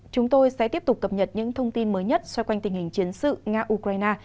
chúng tôi sẽ tiếp tục cập nhật những thông tin mới nhất xoay quanh tình hình chiến sự nga ukraine